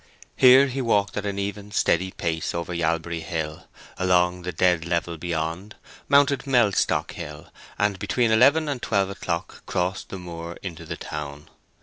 Here he walked at an even, steady pace over Yalbury Hill, along the dead level beyond, mounted Mellstock Hill, and between eleven and twelve o'clock crossed the Moor into the town.